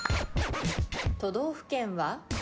都道府県は？